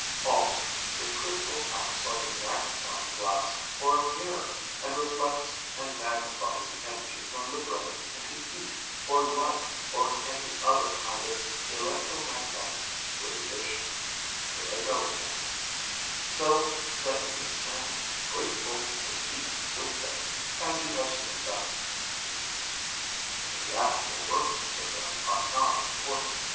Also the crystal acts like a magnifying glass or a mirror, and reflects and magnifies the energy from the brain into heat or light or any other kind of electromagnetic radiation there I go again so that you can send great bolts of heat with them, as you have seen done. "But the actual workings of them are not important.